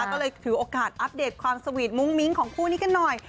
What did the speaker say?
ก็เลยถือโอกาสอัปเดตความสวีทมุ้งมิ้งของคู่นี้กันหน่อย